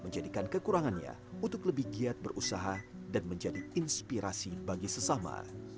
menjadikan kekurangannya untuk lebih giat berusaha dan menjadi inspirasi bagi sesama